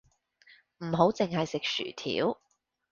唔好淨係食薯條